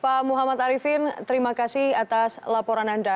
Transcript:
pak muhammad arifin terima kasih atas laporan anda